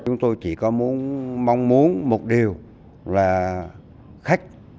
chúng tôi chỉ có mong muốn một điều là khách